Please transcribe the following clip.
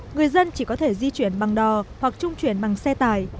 người dân chỉ có thể di chuyển bằng đò hoặc trung chuyển bằng xe tải